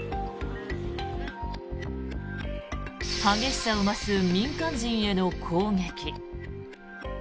激しさを増す民間人への攻撃。